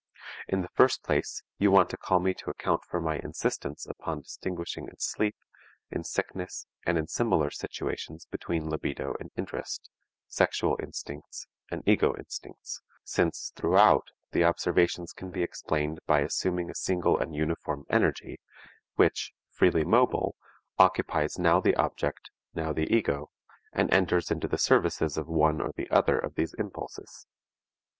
In the first place, you want to call me to account for my insistence upon distinguishing in sleep, in sickness and in similar situations between libido and interest, sexual instincts and ego instincts, since throughout the observations can be explained by assuming a single and uniform energy, which, freely mobile, occupies now the object, now the ego, and enters into the services of one or the other of these impulses.